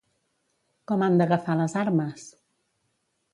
Com han d'agafar les armes?